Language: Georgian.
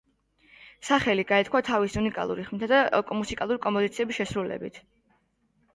სახელი გაითქვა თავისი უნიკალური ხმითა და მუსიკალური კომპოზიციების შესრულებით.